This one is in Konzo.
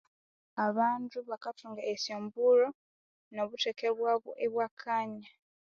Abandu bakathunga eshombulho nobutheke bwabo ibwakanya